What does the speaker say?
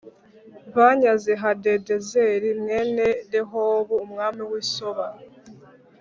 banyaze Hadadezeri mwene Rehobu umwami w’i Soba.